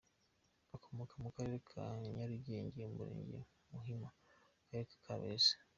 akomoka mu karere ka Nyarugenge Umurenge Muhima Akagari Kabeza.